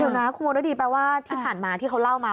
เดี๋ยวนะคุณมรดีแปลว่าที่ผ่านมาที่เขาเล่ามา